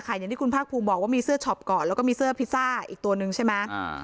อย่างที่คุณภาคภูมิบอกว่ามีเสื้อช็อปก่อนแล้วก็มีเสื้อพิซซ่าอีกตัวนึงใช่ไหม